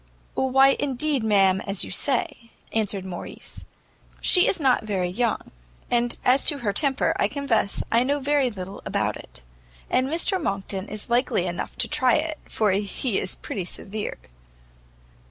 "Why indeed, ma'am, as you say," answered Morrice, "she is not very young; and as to her temper, I confess I know very little about it; and Mr Monckton is likely enough to try it, for he is pretty severe."